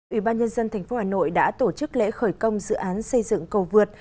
ủy ban nhân dân tp hà nội đã tổ chức lễ khởi công dự án xây dựng cầu vượt